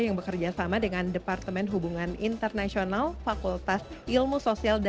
yang bekerjasama dengan departemen kebohongan internasional fakultas ilmu sosial